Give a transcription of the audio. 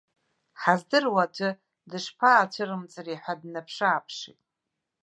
Ҳаздыруа аӡәы дышԥаацәырымҵри ҳәа даанаԥшы-ааԥшит.